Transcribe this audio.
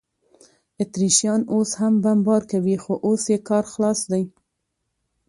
اتریشیان اوس هم بمبار کوي، خو اوس یې کار خلاص دی.